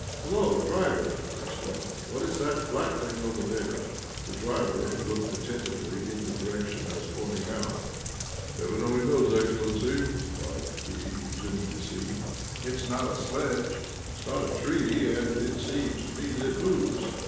"Hullo, driver!" I exclaimed, "what is that black thing over there?" The driver looked attentively in the direction I was pointing out. "Heaven only knows, excellency," replied he, resuming his seat. "It is not a sledge, it is not a tree, and it seems to me that it moves.